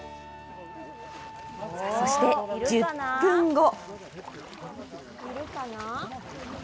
そして１０分後。